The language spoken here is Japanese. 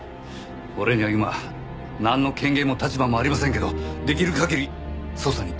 俺には今なんの権限も立場もありませんけどできる限り捜査に協力させてほしい。